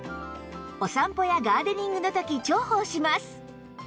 お散歩やガーデニングの時重宝します